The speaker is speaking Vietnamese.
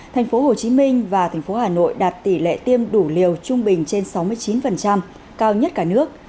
thành phố hồ chí minh và thành phố hà nội đạt tỷ lệ tiêm đủ liều trung bình trên sáu mươi chín cao nhất cả nước